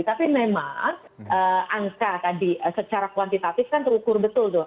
tapi memang angka tadi secara kuantitatif kan terukur betul tuh